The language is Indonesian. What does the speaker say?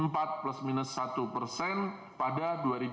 empat plus minus satu persen pada dua ribu enam belas